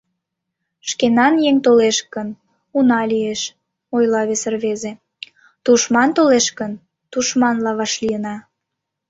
— Шкенан еҥ толеш гын, уна лиеш, — ойла вес рвезе, — тушман толеш гын, тушманла вашлийына.